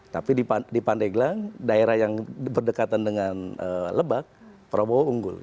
tapi di pandeglang daerah yang berdekatan dengan lebak prabowo unggul